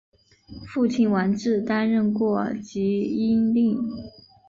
父亲王志担任过济阴令。